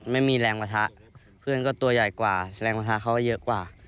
ไม่มีแรงประทะเพื่อนก็ตัวใหญ่กว่าแรงประทะเขาก็เยอะกว่า